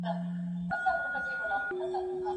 پلار د انساني کمالاتو او ارزښتونو یوه بشپړه بېلګه ده.